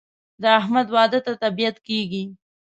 د احمد واده ته طبیعت کېږي.